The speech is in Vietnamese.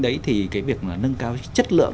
đấy thì cái việc nâng cao chất lượng